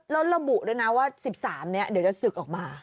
แล้วระบุด้วยนะว่า๑๓นี้เดี๋ยวจะศึกออกมา